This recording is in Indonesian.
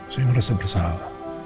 saya ngerasa bersalah